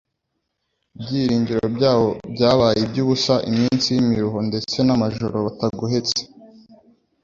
ibyiringiro byabo byabaye iby'ubusa, iminsi y'imiruho ndetse n'amajoro batagohetse.